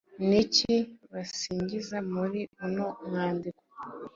Ni iki basingiza muri uno mwandiko?